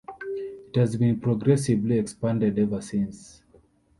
It has been progressively expanded ever since.